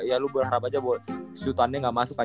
ya lu berharap aja buat shoot an nya ga masuk